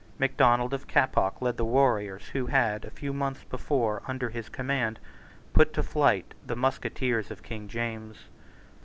Macdonald of Keppoch led the warriors who had, a few months before, under his command, put to flight the musketeers of King James.